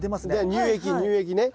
乳液乳液ね。